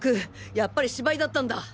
やっぱり芝居だったんだ！